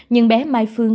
nhưng bé mai phương